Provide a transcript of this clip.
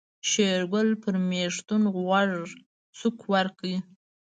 شېرګل پر مېږتون غوږ سوک ورکړ.